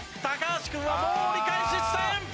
橋君はもう折り返し地点！